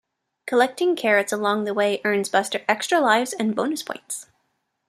Collecting carrots along the way earns Buster extra lives and bonus points.